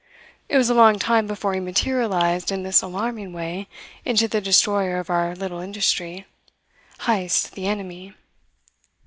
It was a long time before he materialized in this alarming way into the destroyer of our little industry Heyst the Enemy.